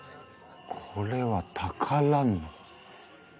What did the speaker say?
これは宝野。